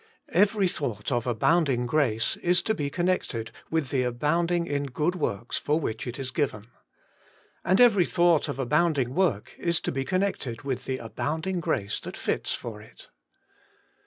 Every thought of abounding grace is to be connected with the abounding in good works for which it is given. And every thought of abounding work is to be connected with the abounding grace that fits for it.